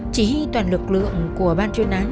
chỉ toàn lực lượng của ban chuyên án